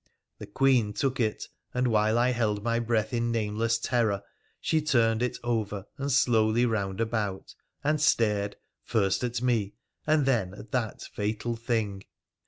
The Queen took it, and while I held my breath in nameless terror she turned it over and slowly round about, and stared first at me, and then at that fatal thing.